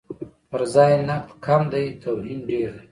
پرځای نقد کم دی، توهین ډېر دی.